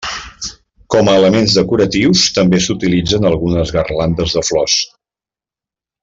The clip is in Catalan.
Com a elements decoratius també s'utilitzen algunes garlandes de flors.